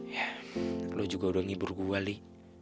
ya lu juga udah ngibur gue li